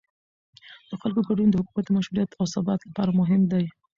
د خلکو ګډون د حکومت د مشروعیت او ثبات لپاره مهم دی